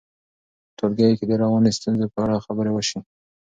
ټولګیو کې د رواني ستونزو په اړه خبرې وشي.